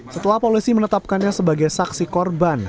setelah polisi menetapkannya sebagai saksi korban